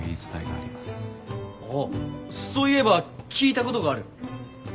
あっそういえば聞いたことがある。